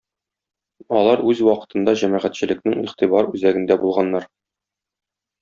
Алар үз вакытында җәмәгатьчелекнең игътибар үзәгендә булганнар.